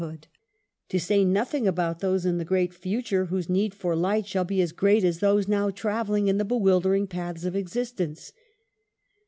hood, to say nothing about those in the great future, whose need for light shall be as great as those now traveling in the bewildering paths of existence.